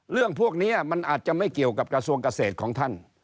เรื่องพวกนี้มันอาจจะไม่เกี่ยวกับกระทรวงเกษตรของท่าน